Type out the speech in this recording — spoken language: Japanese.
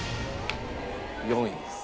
４位です。